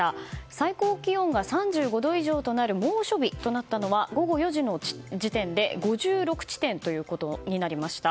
最高気温が３５度以上となる猛暑日となったのは午後４時の時点で５６地点ということになりました。